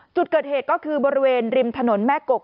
จุดเกิดเหตุก็คือบริเวณริมถนนแม่กก